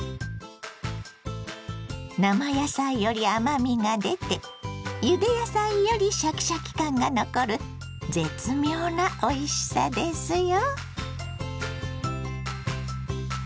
生野菜より甘みが出てゆで野菜よりシャキシャキ感が残る絶妙なおいしさですよ。